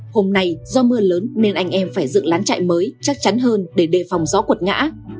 hôm nay do mưa lớn nên anh em phải dựng lán chạy mới chắc chắn hơn để đề phòng gió cuột ngã